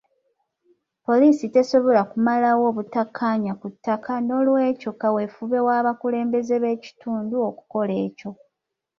Poliisi tesobola kumalawo butakkaanya ku ttaka n'olwekyo kaweefube w'abakulembeze b'ekitundu okukola ekyo.